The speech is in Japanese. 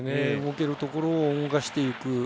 動けるところを動かしていく。